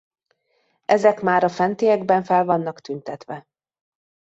Ezek már a fentiekben fel vannak tüntetve.